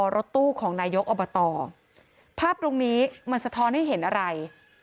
รถตู้ของนายกอบตภาพตรงนี้มันสะท้อนให้เห็นอะไร